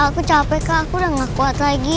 aku capek aku nggak kuat lagi